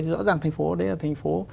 thì rõ ràng thành phố đấy là thành phố